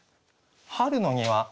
「春の庭」